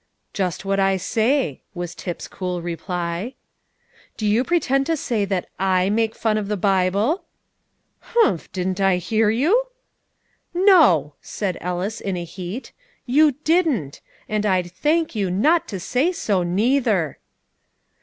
"Just what I say," was Tip's cool reply. "Do you pretend to say that I make fun of the Bible?" "Humph! Didn't I hear you?" "No," said Ellis, in a heat, "you didn't! and I'd thank you not to say so neither."